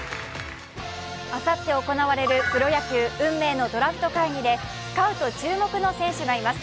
あさって行われるプロ野球、運命のドラフト会議でスカウト注目の選手がいます